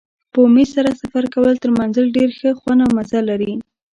په امید سره سفر کول تر منزل ډېر ښه خوند او مزه لري.